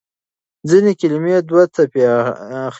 ځينې کلمې دوه څپې اخلي.